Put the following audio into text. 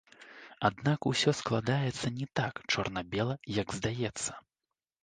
Аднак усё складаецца не так чорна-бела, як здаецца.